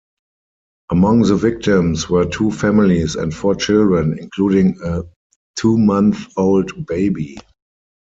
Among the victims were two families and four children, including a two-month-old baby.